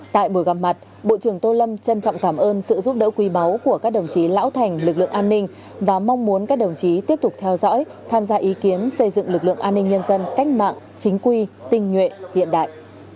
tại buổi gặp mặt bộ trưởng tô lâm trân trọng cảm ơn sự giúp đỡ quý báu của các đồng chí lão thành lực lượng an ninh và mong muốn các đồng chí tiếp tục theo dõi tham gia ý kiến xây dựng lực lượng an ninh nhân dân cách mạng chính quy tinh nhuệ hiện đại